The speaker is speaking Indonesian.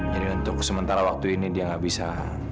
jadi untuk sementara waktu ini dia gak bisa